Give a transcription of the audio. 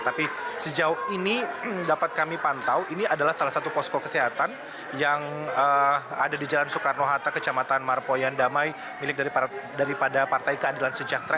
tapi sejauh ini dapat kami pantau ini adalah salah satu posko kesehatan yang ada di jalan soekarno hatta kecamatan marpoyan damai milik daripada partai keadilan sejahtera